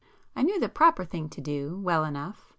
I knew the proper thing to do, well enough!